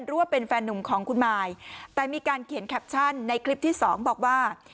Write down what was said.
ว่าเป็นแฟนหนุ่มของคุณมายแต่มีการเขียนแคปชั่นในคลิปที่สองบอกว่า